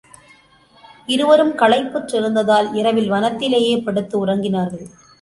இருவரும் களைப்புற்றிருந்ததால், இரவில் வனத்திலேயே படுத்து உறங்கினார்கள்.